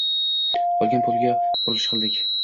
Qolgan pulga qurilish qildik